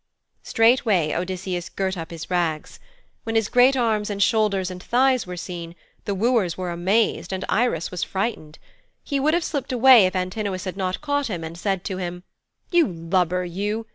Straightway Odysseus girt up his rags. When his great arms and shoulders and thighs were seen, the wooers were amazed and Irus was frightened. He would have slipped away if Antinous had not caught him and said to him, 'You lubber, you!